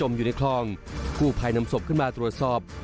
มีความภายเกิดจมอยู่ในคลอง